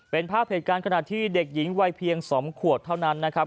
เป็นภาพเหตุการณ์ขณะที่เด็กหญิงวัยเพียง๒ขวบเท่านั้นนะครับ